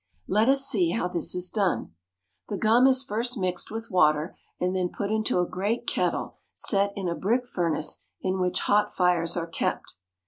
Let us see how this is done. The gum is first mixed with water, and then put into a great kettle set in a brick furnace in which hot fires are kept.